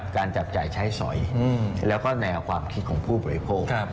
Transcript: จับจ่ายใช้สอยแล้วก็แนวความคิดของผู้บริโภค